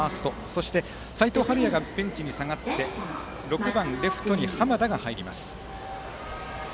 そして齋藤敏哉がベンチに下がって６番レフトに濱田が入ります。